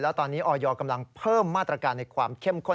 แล้วตอนนี้ออยกำลังเพิ่มมาตรการในความเข้มข้น